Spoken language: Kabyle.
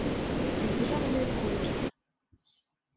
Beṭleɣ lakul.